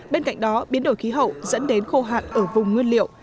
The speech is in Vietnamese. bên cạnh đó biến đổi khí hậu dẫn đến khô hạn ở vùng nguyên liệu